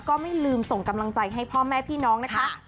ก็ไม่ลืมส่งกำลังใจให้พ่อแม่พี่น้องนะคะ